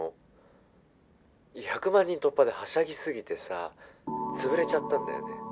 「１００万人突破ではしゃすぎてさ潰れちゃったんだよね」